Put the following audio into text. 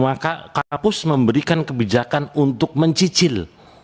maka kampus memberikan kebijakan untuk mencicil